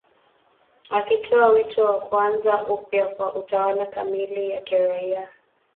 akitoa wito wa kuanza upya kwa utawala kamili wa kiraia